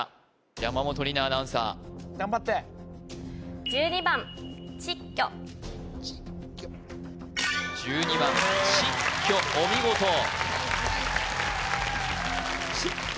山本里菜アナウンサー・頑張って１２番ちっきょお見事ちっきょ